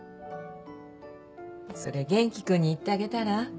それ元気君に言ってあげたら？